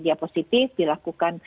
dia positif dilakukan